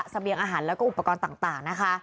สะเบียงอาหารและอุปกรณ์ต่างนะคะ